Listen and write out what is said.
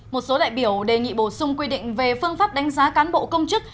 một số đại biểu đề nghị bổ sung quy định về phương pháp đánh giá cán bộ công chức